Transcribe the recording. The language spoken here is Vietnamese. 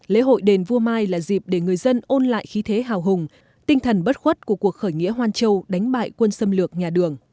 lễ hội đền vua mai là dịp để người dân ôn lại khí thế hào hùng tinh thần bất khuất của cuộc khởi nghĩa hoan châu đánh bại quân xâm lược nhà đường